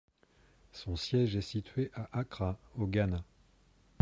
Son siège est situé à Accra, au Ghana.